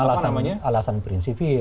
ada juga pernah alasan prinsipi